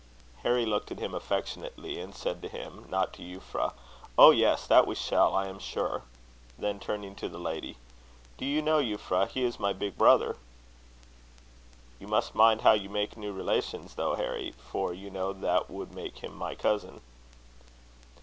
Harry looked at him affectionately, and said to him, not to Euphra, "Oh! yes, that we shall, I am sure." Then turning to the lady "Do you know, Euphra, he is my big brother?" "You must mind how you make new relations, though, Harry; for you know that would make him my cousin."